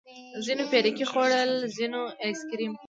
ځينو پيركي خوړل ځينو ايس کريم.